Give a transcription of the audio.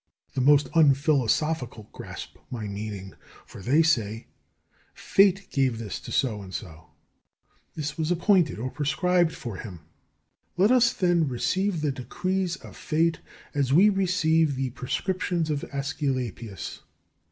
The most unphilosophical grasp my meaning, for they say, "Fate gave this to so and so: this was appointed or prescribed for him." Let us, then, receive the decrees of Fate as we receive the prescriptions of Aesculapius.